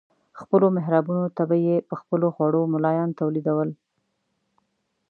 خپلو محرابونو ته به یې په خپلو خوړو ملایان تولیدول.